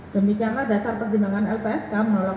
demikianlah dasar pertimbangan lpsk